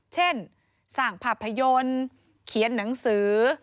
เช่นสร้างภาพยนตร์เขียนหนังสือ